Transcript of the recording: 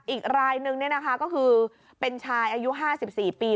อีกรายหนึ่งนี่นะคะก็คือเป็นชายอายุ๕๔ปี